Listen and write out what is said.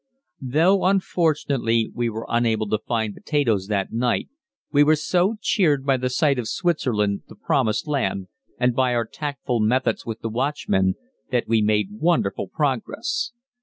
Though, unfortunately, we were unable to find potatoes that night, we were so cheered by the sight of Switzerland, the promised land, and by our tactful methods with the watchmen, that we made wonderful progress.